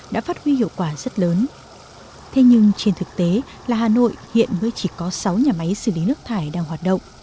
và hà nội hiện mới chỉ có sáu nhà máy xử lý nước thải đang hoạt động